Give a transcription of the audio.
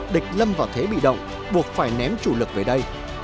địch lâm vào thế bị động buộc phải ném chủ lực về đây